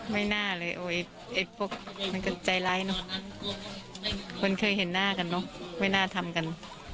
ไม่น่าเลยมันก็ใจไร้คุณเคยเห็นหน้ากันเนาะไม่น่าทำกัน